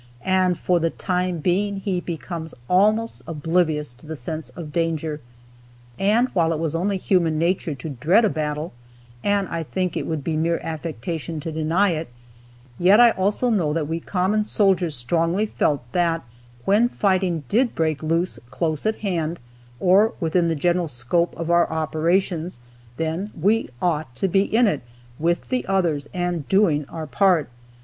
and for the time being he becomes almost oblivious to the sense of danger. And while it was only human nature to dread a battle, and I think it would be mere affectation to deny it, yet I also know that we common soldiers strongly felt that when fighting did break loose close at hand, or within the general scope of our operations, then we ought to be in it, with the others, and doing our part.